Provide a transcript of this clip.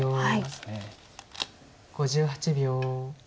５８秒。